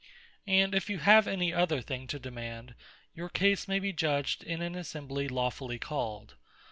And if you have any other thing to demand, your case may be judged in an Assembly Lawfully called.